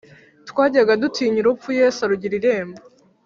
Twajyaga dutinya urupfu: Yes’ arugir' irembo